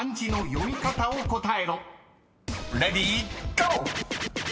［レディーゴー！］